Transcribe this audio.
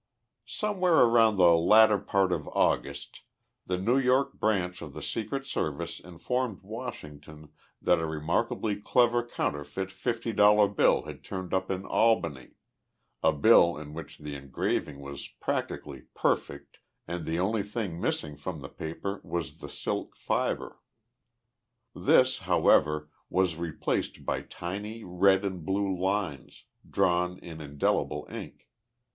Somewhere around the latter part of August the New York branch of the Secret Service informed Washington that a remarkably clever counterfeit fifty dollar bill had turned up in Albany a bill in which the engraving was practically perfect and the only thing missing from the paper was the silk fiber. This, however, was replaced by tiny red and blue lines, drawn in indelible ink.